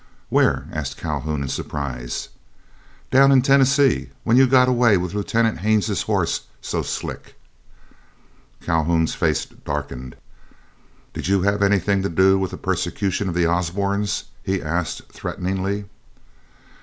"Where?" asked Calhoun, in surprise. "Down in Tennessee, when you got away with Lieutenant Haines's horse so slick." Calhoun's face darkened. "Did you have anything to do with the persecution of the Osbornes?" he asked, threateningly.